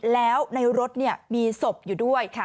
แล้วในรถมีศพอยู่ด้วยค่ะ